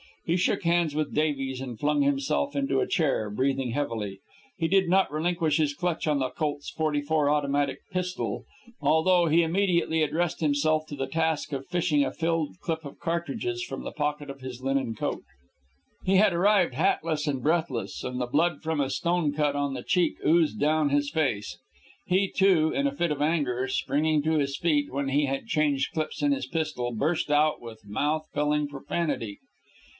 He shook hands with Davies and flung himself into a chair, breathing heavily. He did not relinquish his clutch on the Colt's 44 automatic pistol, although he immediately addressed himself to the task of fishing a filled clip of cartridges from the pocket of his linen coat. He had arrived hatless and breathless, and the blood from a stone cut on the cheek oozed down his face. He, too, in a fit of anger, springing to his feet when he had changed clips in his pistol, burst out with mouth filling profanity.